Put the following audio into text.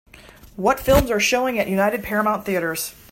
what films are showing at United Paramount Theatres